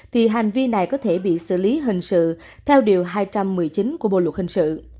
thì hành vi này có thể bị xử lý hình sự theo điều hai trăm một mươi chín của bộ luật hình sự